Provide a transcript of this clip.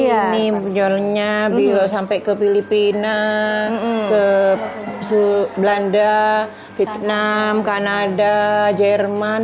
ini nyolnya beliau sampai ke filipina ke belanda vietnam kanada jerman